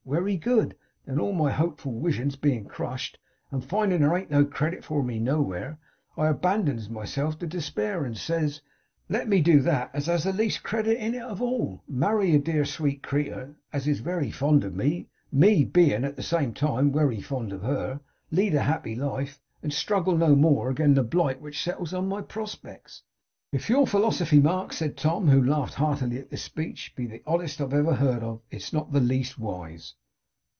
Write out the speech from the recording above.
Wery good. Then all my hopeful wisions bein' crushed; and findin' that there ain't no credit for me nowhere; I abandons myself to despair, and says, "Let me do that as has the least credit in it of all; marry a dear, sweet creetur, as is wery fond of me; me bein', at the same time, wery fond of her; lead a happy life, and struggle no more again' the blight which settles on my prospects."' 'If your philosophy, Mark,' said Tom, who laughed heartily at this speech, 'be the oddest I ever heard of, it is not the least wise.